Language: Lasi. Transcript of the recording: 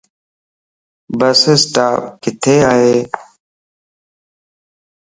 بس اسٽاپ ڪٿي ائي